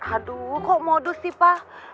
aduh kok modus sih pak